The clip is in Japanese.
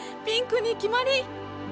ピンクに決まり！